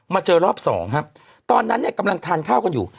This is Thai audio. เจอรอบสองครับตอนนั้นเนี่ยกำลังทานข้าวกันอยู่